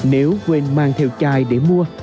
nếu quên mang theo chai để mua